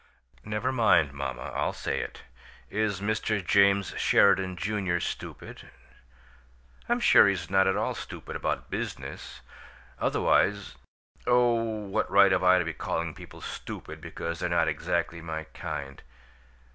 "Never mind, mamma. I'll say it. Is Mr. James Sheridan, Junior, stupid? I'm sure he's not at all stupid about business. Otherwise Oh, what right have I to be calling people 'stupid' because they're not exactly my kind?